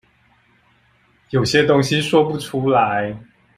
有些東西說不出來